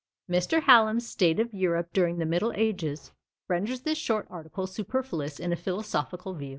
Mr. Hallam's "State of Europe during the Middle Ages" renders this short article superfluous in a philosophical view.